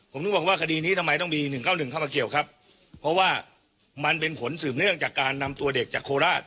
ผมถึงบอกว่าคดีนี้ทำไมต้องมี๑๙๑เข้ามาเกี่ยวครับเพราะว่ามันเป็นผลสืบเนื่องจากการนำตัวเด็กจากโคราช